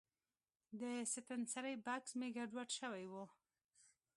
د ستنسرۍ بکس مې ګډوډ شوی و.